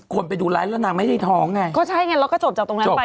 คนไปดูไลฟ์แล้วนางไม่ได้ท้องไงก็ใช่ไงเราก็จบจากตรงนั้นไป